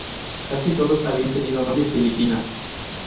Casi todos habían tenido novias filipinas.